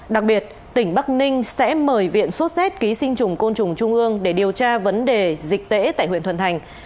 đặc biệt tỉnh bắc ninh sẽ mời viện xuất xét ký sinh chủng côn chủng trung ương để điều tra vấn đề dịch tễ tại huyện thuận thành